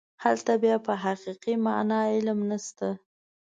هلته بیا په حقیقي معنا علم نشته.